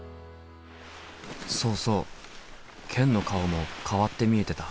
そうそうケンの顔も変わって見えてた。